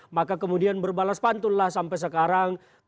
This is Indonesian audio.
maka kemudian berbalas pantunlah sampai sekarang